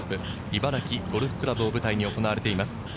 茨城ゴルフ倶楽部を舞台に行われています。